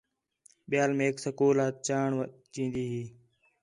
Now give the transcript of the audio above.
ٻِیال میک سکول آ چاݨ چین٘دی ہی